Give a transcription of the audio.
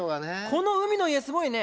この海の家すごいね。